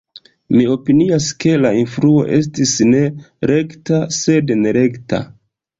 Mi opinias, ke la influo estis ne rekta, sed nerekta.